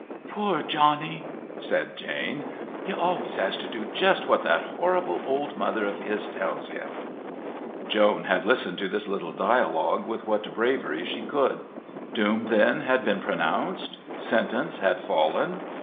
"Poor Johnny!" said Jane. "He always has to do just what that horrible old mother of his tells him." Joan had listened to this little dialogue with what bravery she could. Doom then had been pronounced? Sentence had fallen?